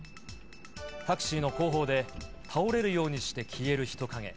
タクシーの後方で倒れるようにして消える人影。